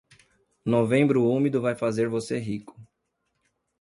Novembro úmido vai fazer você rico.